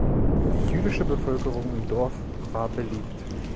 Die jüdische Bevölkerung im Dorf war beliebt.